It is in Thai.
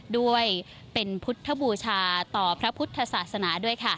ด้วยเป็นพุทธบูชาต่อพระพุทธศาสนาด้วยค่ะ